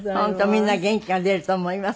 みんな元気が出ると思います。